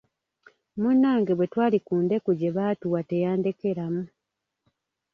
Munnange bwe twali ku ndeku gye baatuwa teyandekeramu.